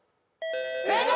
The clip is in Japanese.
正解！